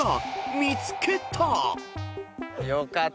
［見つけた！］